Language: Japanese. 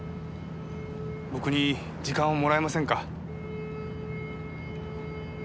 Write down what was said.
僕に時間をもらえませんか？